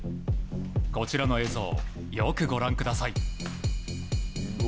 こちらの映像、よくご覧ください。